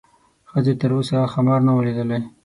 ښځې تر اوسه ښامار نه و لیدلی.